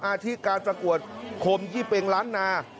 อาทิตย์การประกวดโคมยี่เป็งล้านนา